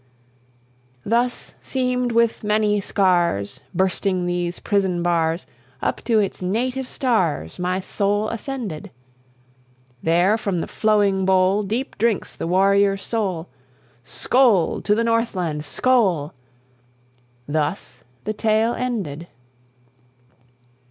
"Thus, seamed with many scars, Bursting these prison bars, Up to its native stars My soul ascended! There from the flowing bowl Deep drinks the warrior's soul, Skoal! to the Northland! skoal!" Thus the tale ended.